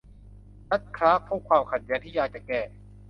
จัดจ์คลาร์คพบความขัดแย้งที่ยากจะแก้